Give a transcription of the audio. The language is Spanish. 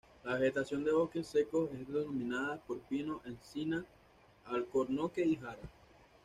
La vegetación de bosques secos es dominada por pino, encina, alcornoque y jara.